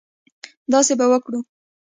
داسې به وکړو.